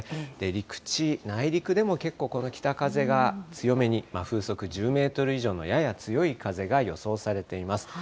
陸地、内陸でも結構、この北風が強めに、風速１０メートル以上のやや強い風が予想されています。